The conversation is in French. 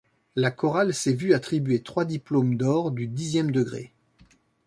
La chorale s'est vu attribuer trois diplômes d'or du dixième degrés.